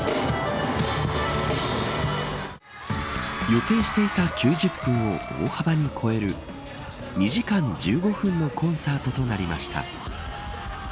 予定していた９０分を大幅に超える２時間１５分のコンサートとなりました。